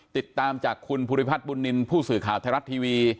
ติดตามจากคุณภูริพัฒน์บุญนินทร์ผู้สื่อข่าวไทยรัฐทีวี